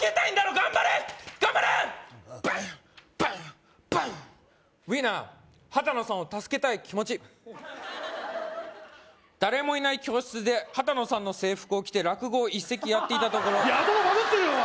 頑張れ頑張れバーンバンバンウイナー羽多野さんを助けたい気持ち誰もいない教室で羽多野さんの制服を着て落語を一席やっていたところ頭バグってるよ！